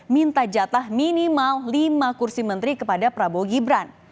minta jatah minimal lima kursi menteri kepada prabowo gibran